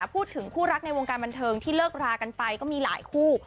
พูดถึงคู่รักในวงการบันเทิงที่เลิกรากันไปก็มีหลายคู่